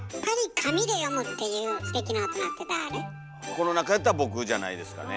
この中やったら僕じゃないですかね。